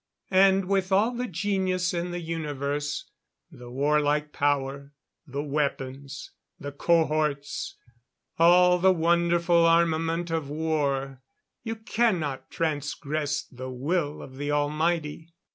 And with all the genius in the universe the war like power the weapons the cohorts all the wonderful armament of war you cannot transgress the Will of the Almighty.